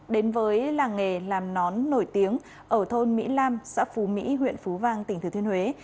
đến với làng nghề làm nón nổi tiếng ở thôn mỹ lam xã phú mỹ huyện phú vang tỉnh thừa thiên huế